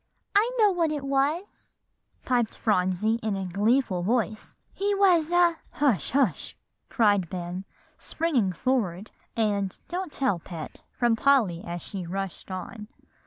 "I know what it was," piped Phronsie in a gleeful voice; "he was a" "Hush hush!" cried Ben, springing forward, and "Don't tell, Pet," from Polly as she rushed on.